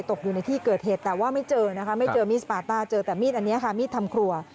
ตกอยู่ในที่เกิดเหตุแต่ว่าไม่เจอนะคะไม่เจอมีดสปาต้าเจอแต่มีดอันนี้ค่ะมีดทำครัว